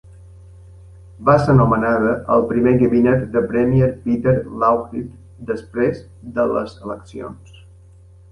Va ser nomenada al primer gabinet de Premier Peter Lougheed després de les eleccions.